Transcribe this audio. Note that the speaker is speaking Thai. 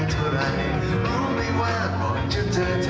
อีกเพลงหนึ่งครับนี้ให้สนสารเฉพาะเลย